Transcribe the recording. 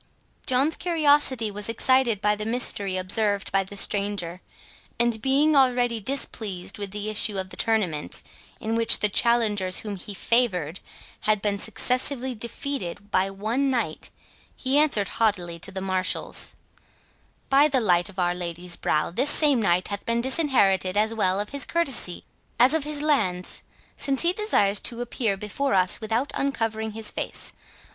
John's curiosity was excited by the mystery observed by the stranger; and, being already displeased with the issue of the tournament, in which the challengers whom he favoured had been successively defeated by one knight, he answered haughtily to the marshals, "By the light of Our Lady's brow, this same knight hath been disinherited as well of his courtesy as of his lands, since he desires to appear before us without uncovering his face.